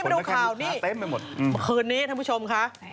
วันนี้คุณต้องดูว่า